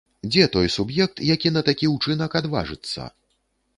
Дзе той суб'ект, які на такі ўчынак адважыцца?